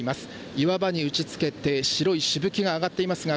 岩場に打ち付けて白いしぶきが上がっていますが